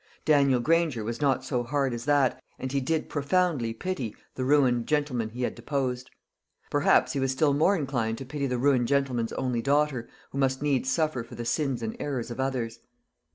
Daniel Granger was not so hard as that, and he did profoundly pity the ruined gentleman he had deposed. Perhaps he was still more inclined to pity the ruined gentleman's only daughter, who must needs suffer for the sins and errors of others.